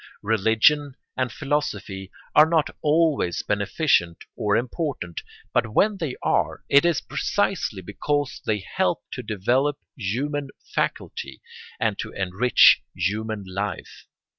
Religion and philosophy are not always beneficent or important, but when they are it is precisely because they help to develop human faculty and to enrich human life.